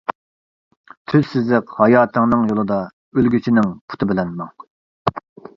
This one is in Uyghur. تۈز سىزىق ھاياتىڭنىڭ يولىدا ئۆلگۈچىنىڭ پۇتى بىلەن ماڭ.